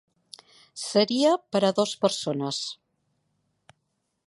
Seria per a dos persones.